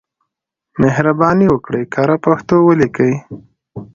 مهرباني وکړئ کره پښتو ولیکئ.